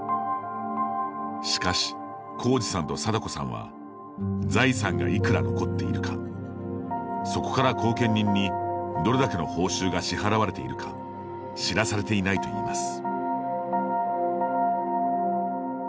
しかし、浩直さんと貞子さんは財産がいくら残っているかそこから後見人に、どれだけの報酬が支払われているか知らされていないといいます。